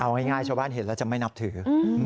เอาง่ายชาวบ้านเห็นแล้วจะไม่นับถือ